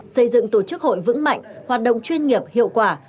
xây dựng tổ chức hội vững mạnh hoạt động chuyên nghiệp hiệu quả